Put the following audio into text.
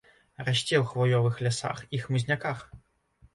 Расце ў хваёвых лясах і хмызняках.